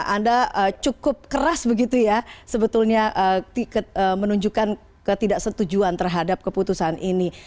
anda cukup keras begitu ya sebetulnya menunjukkan ketidaksetujuan terhadap keputusan ini